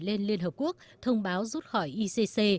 lên liên hợp quốc thông báo rút khỏi icc